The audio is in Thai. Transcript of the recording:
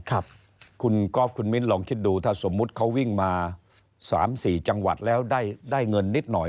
ครับคุณก๊อฟคุณมิ้นลองคิดดูถ้าสมมุติเขาวิ่งมา๓๔จังหวัดแล้วได้เงินนิดหน่อย